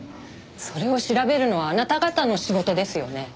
それを調べるのはあなた方の仕事ですよね？